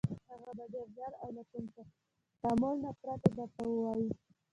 هغه به ډېر ژر او له كوم تأمل نه پرته درته ووايي: